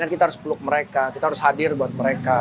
kita harus peluk mereka kita harus hadir buat mereka